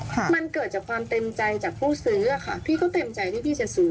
ครับมันเกิดจากความเต็มใจจากผู้ซื้ออ่ะค่ะพี่ก็เต็มใจที่พี่จะซื้อ